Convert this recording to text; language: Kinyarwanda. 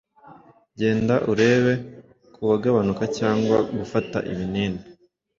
Genda urebe kugabanuka cyangwa gufata ibinini,